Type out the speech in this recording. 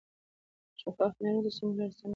شفاف معیارونه د سمون لار اسانه کوي.